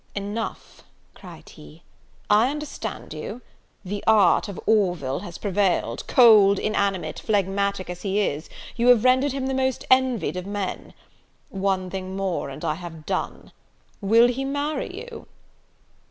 "Enough," cried he, "I understand you! the art of Orville has prevailed; cold, inanimate, phlegmatic as he is, you have rendered him the most envied of men! One thing more, and I have done: Will he marry you?"